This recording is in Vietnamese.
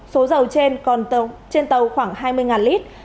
số dầu trên còn trên tàu khoảng hai mươi lít